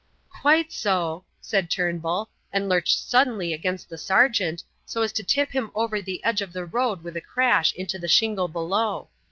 "Quite so," said Turnbull, and lurched suddenly against the sergeant, so as to tip him over the edge of the road with a crash into the shingle below.